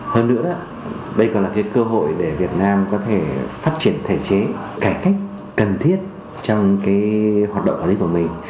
hơn nữa đây còn là cơ hội để việt nam có thể phát triển thể chế cải cách cần thiết trong hoạt động quản lý của mình